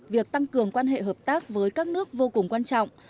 việc tăng cường quan hệ hợp tác với các nước vô cùng quan trọng